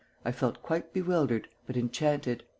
I felt quite bewildered, but enchanted."